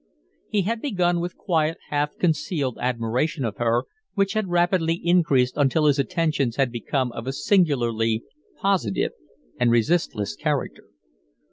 He had begun with quiet, half concealed admiration of her, which had rapidly increased until his attentions had become of a singularly positive and resistless character.